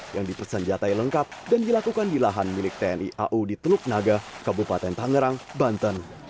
yang dipersenjatai lengkap dan dilakukan di lahan milik tni au di teluk naga kabupaten tangerang banten